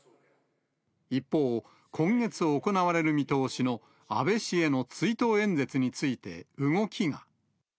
一方、今月、行われる見通しの安倍氏への追悼演説について動きが。